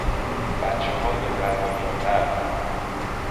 بچه های قد و نیم قد